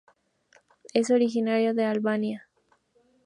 Es originario de Albania.